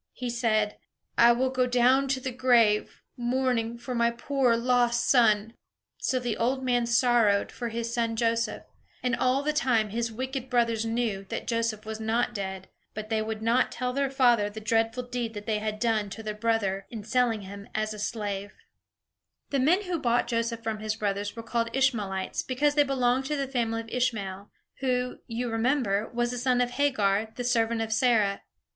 He said: "I will go down to the grave mourning for my poor lost son." So the old man sorrowed for his son Joseph; and all the time his wicked brothers knew that Joseph was not dead; but they would not tell their father the dreadful deed they had done to their brother, in selling him as a slave. THE DREAMS OF A KING The men who bought Joseph from his brothers were called Ishmaelites, because they belonged to the family of Ishmael, who, you remember, was the son of Hagar, the servant of Sarah.